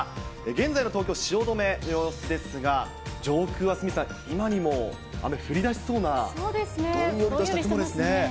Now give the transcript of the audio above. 現在の東京・汐留の様子ですが、上空は鷲見さん、今にも雨降りだしそうな、どんよりとしていますね。